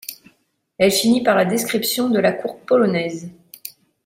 Elle finit par la description de la cour polonaise.